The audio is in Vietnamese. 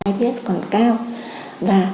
ips còn cao và